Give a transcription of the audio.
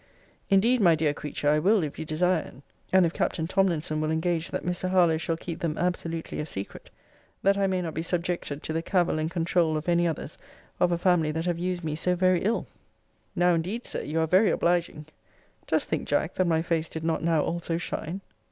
Indeed, my dear creature, I will, if you desire it, and if Captain Tomlinson will engage that Mr. Harlowe shall keep them absolutely a secret; that I may not be subjected to the cavil and controul of any others of a family that have used me so very ill. Now, indeed, Sir, you are very obliging. Dost think, Jack, that my face did not now also shine?